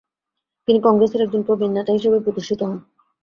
তিনি কংগ্রেসের একজন প্রবীণ নেতা হিসাবে প্রতিষ্ঠিত হন ।